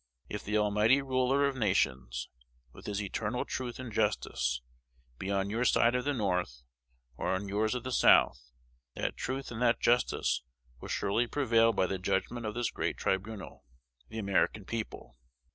If the Almighty Ruler of nations, with his eternal truth and justice, be on your side of the North, or on yours of the South, that truth and that justice will surely prevail by the judgment of this great tribunal, the American people.